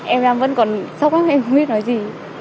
em đang vẫn còn sốc lắm em không biết nói gì